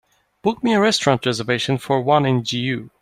Book me a restaurant reservation for one in GU